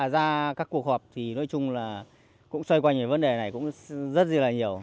ra các cuộc họp thì nói chung là cũng xoay quanh vấn đề này cũng rất là nhiều